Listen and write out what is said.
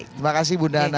terima kasih bunda anna